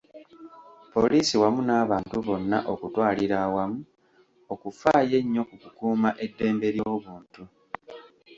Poliisi wamu n’abantu bonna okutwalira awamu, okufaayo ennyo ku kukuuma eddembe ly’obuntu.